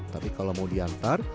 tapi kalau mau diantar